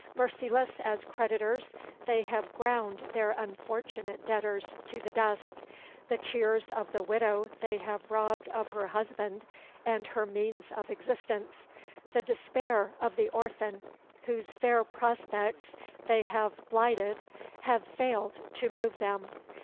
Merciless as creditors, they have ground their unfortunate debtors to the dust. The tears of the widow they have robbed of her husband and her means of existence the despair of the orphan, whose fair prospects they have blighted have failed to move them.